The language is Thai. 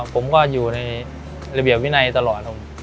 ผมก็อยู่ในระเบียบวินัยตลอด